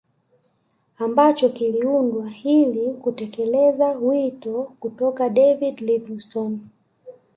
Ambacho kiliundwa ili kutekeleza wito kutoka David Livingstone